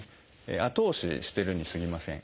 後押ししてるにすぎません。